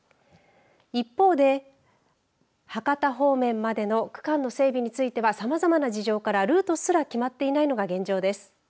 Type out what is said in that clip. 一方で博多方面までの区間の整備については、さまざまな事情からルートすら決まっていないのが現状です。